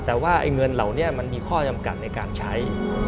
แต่ว่าเงินเหล่านี้มันมีข้อจำกัดในการใช้